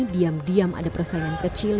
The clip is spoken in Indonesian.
diam diam ada persaingan kecil